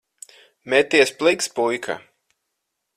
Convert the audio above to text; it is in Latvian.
Meties pliks, puika.